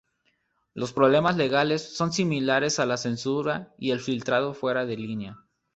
Los problemas legales son similares a la censura y el filtrado fuera de línea.